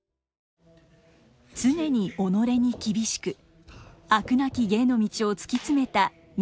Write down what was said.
常に己に厳しく飽くなき芸の道を突き詰めた二世松緑。